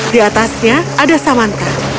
di atasnya ada samantha